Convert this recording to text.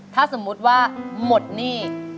ถ้าสมมุติว่าหมดหนี้